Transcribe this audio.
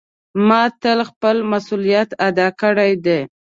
ما تل خپل مسؤلیت ادا کړی ده.